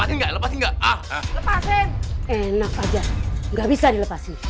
enak aja nggak bisa dilepasin